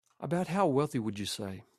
About how wealthy would you say?